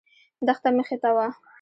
دښته مخې ته وه.